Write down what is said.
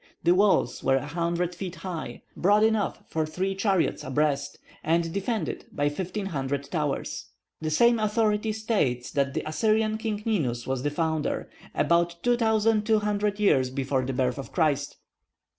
The walls were a hundred feet high, broad enough for three chariots abreast, and defended by fifteen hundred towers. The same authority states that the Assyrian king Ninus was the founder, about 2,200 years before the birth of Christ.